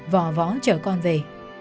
vỏ võ chở con về